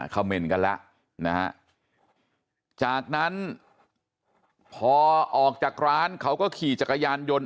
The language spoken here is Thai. เมนต์กันแล้วนะฮะจากนั้นพอออกจากร้านเขาก็ขี่จักรยานยนต์